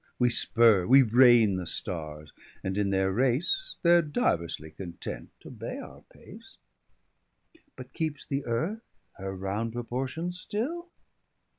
We spur, we reine the starres, and in their race They're diversly content t'obey our pace. But keepes the earth her round proportion still?